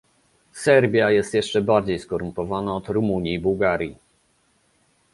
Serbia jest jeszcze bardziej skorumpowana od Rumunii i Bułgarii